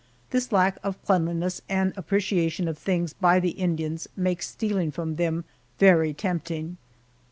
This lack of cleanliness and appreciation of things by the Indians makes stealing from them very tempting.